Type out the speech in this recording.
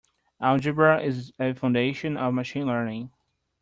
Algebra is a foundation of Machine Learning.